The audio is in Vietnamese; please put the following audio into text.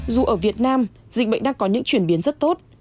dù ở việt nam dịch bệnh đang có những chuyển biến rất tốt